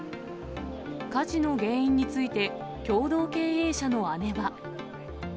火事の原因について、共同経営者の姉は。